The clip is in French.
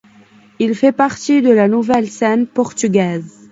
Il fait partie de la Nouvelle scène portugaise.